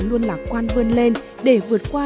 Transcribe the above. luôn lạc quan vươn lên để vượt qua